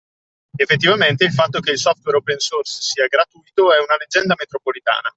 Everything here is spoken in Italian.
Effettivamente il fatto che il software open source sia gratuito è una leggenda metropolitana.